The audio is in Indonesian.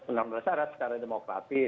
undang undang secara demokrasi